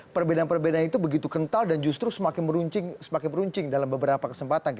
perbedaan perbedaan itu begitu kental dan justru semakin meruncing dalam beberapa kesempatan